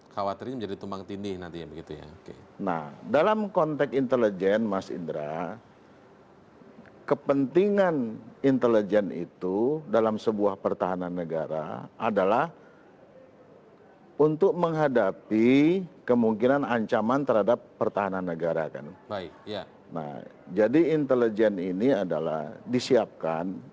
kalau kita bisa membuat kebijakan